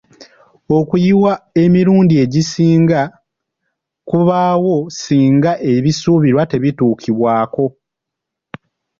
Okuyiwa emirundi egisinga kubaawo singa ebisuubirwa tebituukibwako.